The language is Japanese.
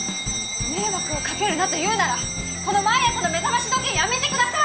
迷惑をかけるなと言うならこの毎朝の目覚まし時計やめてください！